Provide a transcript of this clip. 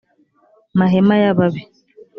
mahema y ababi